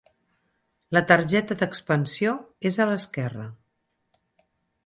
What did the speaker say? La targeta d'expansió és a l'esquerra.